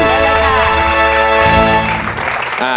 สวัสดีค่ะ